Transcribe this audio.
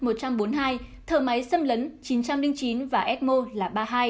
thở máy xâm lấn chín trăm linh chín và eo là ba mươi hai